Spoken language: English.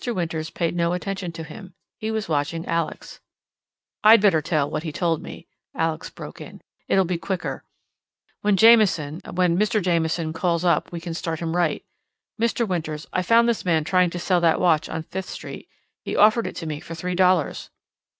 Winters paid no attention to him. He was watching Alex. "I'd better tell what he told me," Alex broke in. "It will be quicker. When Jamieson—when Mr. Jamieson calls up we can start him right. Mr. Winters, I found this man trying to sell that watch on Fifth Street. He offered it to me for three dollars."